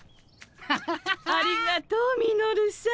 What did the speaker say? ありがとうミノルさん。